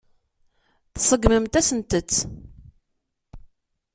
Tseggmemt-asent-t.